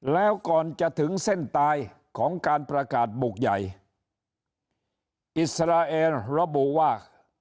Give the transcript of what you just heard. แล้วก่อนจะถึงเส้นตายของการประกาศบุกใหญ่อิสราเอลระบุว่า